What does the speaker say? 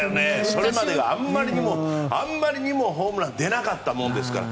それまでがあまりにもホームラン出なかったもんですから。